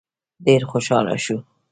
ډېر خوشحاله شو.